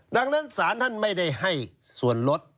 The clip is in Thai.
ดังนั้นศาลท่านไม่ได้ให้ส่วนลด